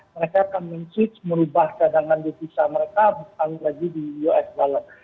mereka akan menge switch merubah cadangan di bisa mereka lagi di us dollar